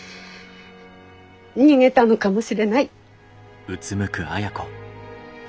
逃げたのかもしれない。